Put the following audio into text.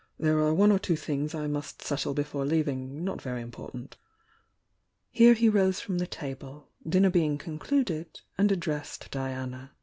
There are one or two thfngs I must settle before leaving not very iinpor tant" Here he rose from the table, dmner being Scluded, and addressed Diana.